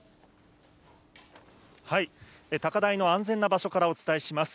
高台の安全な場所からお伝えします。